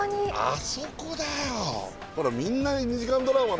あそこだよ。